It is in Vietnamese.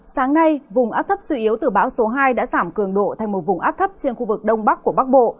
sáng nay vùng áp thấp suy yếu từ bão số hai đã giảm cường độ thành một vùng áp thấp trên khu vực đông bắc của bắc bộ